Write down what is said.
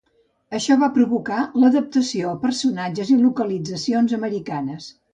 Això va provocar l'adaptació a personatges i localitzacions americanes.